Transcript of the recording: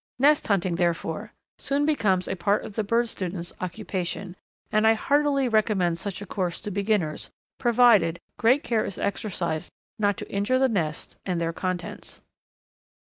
Nest hunting, therefore, soon becomes a part of the bird student's occupation, and I heartily recommend such a course to beginners, provided great care is exercised not to injure the nests and their contents.